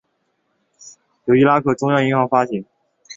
由伊拉克中央银行发行。